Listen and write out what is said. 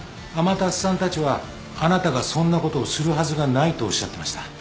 天達さんたちはあなたがそんなことをするはずがないとおっしゃってました。